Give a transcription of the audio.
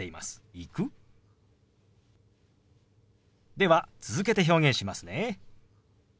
では続けて表現しますね。